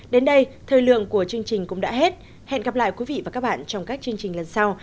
đến đây thời lượng của chương trình cũng đã hết hẹn gặp lại quý vị và các bạn trong các chương trình lần sau